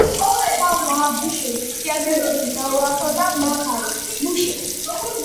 შალვა აბდუშელი ჭიათურაში დაუახლოვდა მაღაროს მუშებს.